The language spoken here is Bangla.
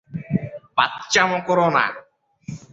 বাচ্চামো কোরো না।